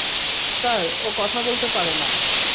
Sir, ও কথা বলতে পারে না।